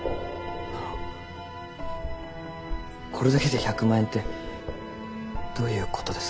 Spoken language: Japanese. あのこれだけで１００万円ってどういうことですか？